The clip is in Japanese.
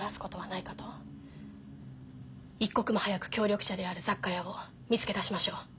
一刻も早く協力者である雑貨屋を見つけ出しましょう。